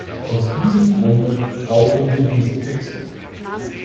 Aus diesem Grunde brauchen wir diese Texte.